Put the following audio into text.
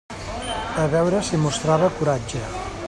A veure si mostrava coratge.